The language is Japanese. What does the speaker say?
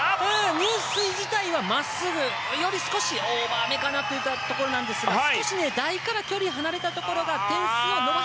入水自体は真っすぐより少しオーバーめかなというところですが少し台から離れていたところが。